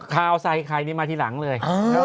ข่าวใส่ไข่นี่มาทีหลังเลย